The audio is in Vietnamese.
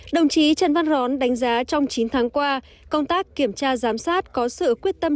đồng chí trần văn rón đánh giá trong chín tháng qua công tác kiểm tra giám sát có sự quyết tâm